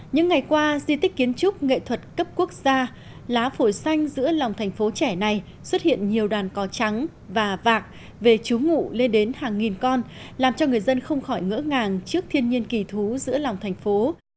những ngày qua di tích kiến trúc nghệ thuật cấp quốc gia lá phổi xanh giữa lòng thành phố trẻ này xuất hiện nhiều đàn cò trắng và vạc về chú ngụ lên đến hàng nghìn con làm cho người dân không khỏi ngỡ ngàng trước thiên nhiên kỳ thú giữa lòng thành phố